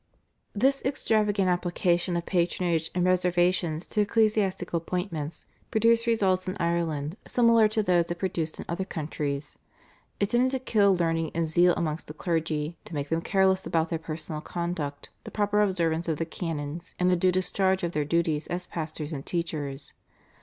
This extravagant application of patronage and reservations to ecclesiastical appointments produced results in Ireland similar to those it produced in other countries. It tended to kill learning and zeal amongst the clergy, to make them careless about their personal conduct, the proper observance of the canons, and the due discharge of their duties as pastors and teachers.